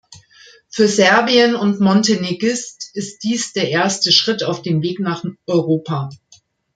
Für Serbien und Montenegist dies der erste Schritt auf dem Weg nach Europa.